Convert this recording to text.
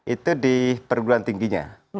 itu di perguruan tingginya